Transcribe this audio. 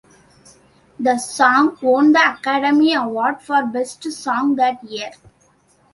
The song won the Academy Award for Best Song that year.